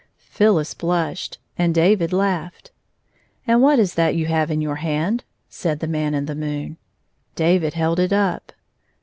Phyllis blushed and David laughed. " And what is that you have in your hand 1 " said the Man in the moon. David held it up.